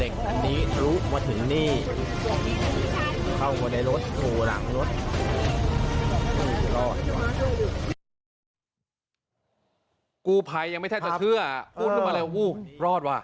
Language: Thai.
กูภัยยังไม่แทนจะเชื่ออู้นละมาแแล้วอู้รอดว่ะ